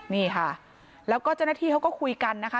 นี่ค่ะแล้วก็เจ้าหน้าที่เขาก็คุยกันนะคะ